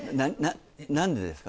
何でですか？